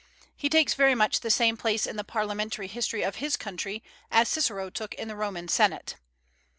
He takes very much the same place in the parliamentary history of his country as Cicero took in the Roman senate.